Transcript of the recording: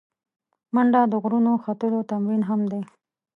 منډه د غرونو ختلو تمرین هم دی